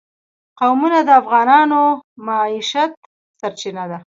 قومونه د افغانانو د معیشت سرچینه ده.